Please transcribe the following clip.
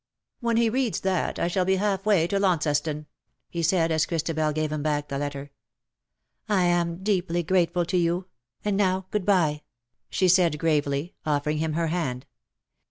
287 ''When he reads that, I shall be half way to Launceston/^ he said, as Christabel gave him back the letter. ''I am deeply grateful to you, and now good bye,''' she said, gravely, offering him her hand.